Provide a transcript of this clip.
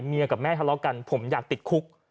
กับแม่ทะเลาะกันผมอยากติดคุก